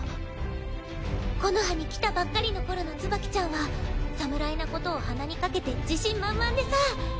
木ノ葉に来たばっかりのころのツバキちゃんは侍なことを鼻にかけて自信満々でさ。